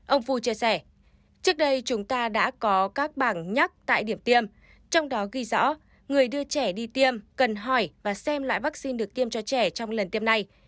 ông fu chia sẻ trước đây chúng ta đã có các bảng nhắc tại điểm tiêm trong đó ghi rõ người đưa trẻ đi tiêm cần hỏi và xem lại vaccine được tiêm cho trẻ trong lần tiêm này